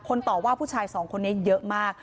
ต่อว่าผู้ชายสองคนนี้เยอะมาก